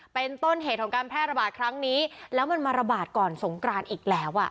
เป็นต้นเหตุของการแพร่ระบาดครั้งนี้แล้วมันมาระบาดก่อนสงกรานอีกแล้วอ่ะ